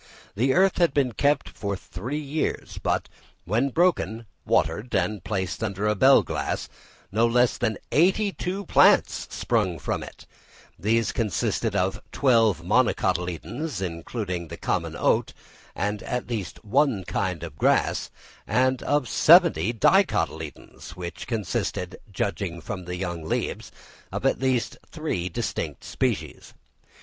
The earth had been kept for three years, but when broken, watered and placed under a bell glass, no less than eighty two plants sprung from it: these consisted of twelve monocotyledons, including the common oat, and at least one kind of grass, and of seventy dicotyledons, which consisted, judging from the young leaves, of at least three distinct species.